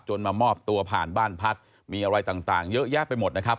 มามอบตัวผ่านบ้านพักมีอะไรต่างเยอะแยะไปหมดนะครับ